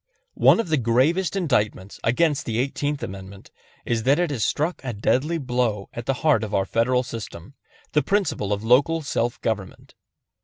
One of the gravest indictments against the Eighteenth Amendment is that it has struck a deadly blow at the heart of our Federal system, the principle of local self government.